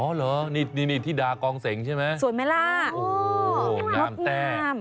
อ๋อเหรอนี่ธิดากองเสงใช่ไหมส่วนเมล่าโอ้โฮงามแต้ง